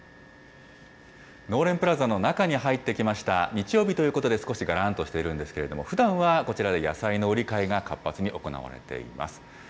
日曜日ということで、少しがらんとしているんですけれども、ふだんはこちらで野菜の売り買いが活発に行われています。